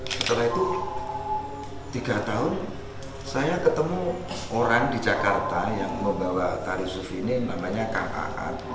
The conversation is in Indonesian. setelah itu tiga tahun saya ketemu orang di jakarta yang membawa tari suvinin namanya kaa